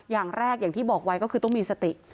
อย่างแรกอย่างที่บอกไว้ก็คือต้องมีสติ